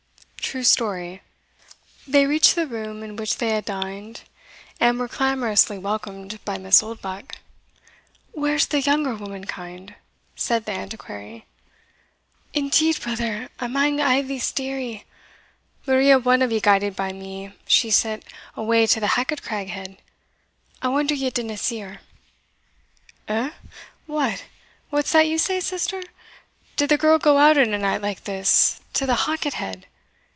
True Story. They reached the room in which they had dined, and were clamorously welcomed by Miss Oldbuck. "Where's the younger womankind?" said the Antiquary. "Indeed, brother, amang a' the steery, Maria wadna be guided by me she set away to the Halket craig head I wonder ye didna see her." "Eh! what what's that you say, sister? did the girl go out in a night like this to the Halket head?